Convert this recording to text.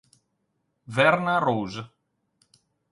Verna Rose